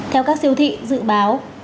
theo các siêu thị dự báo